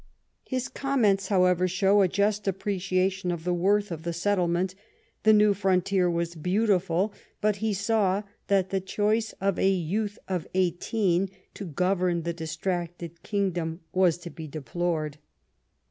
His comments, however, show a just appre ciation of the worth of the settlement; the new frontier was beautiful/' but he saw that the choice of a youth of eighteen to govern the distracted kingdom was to be deplored.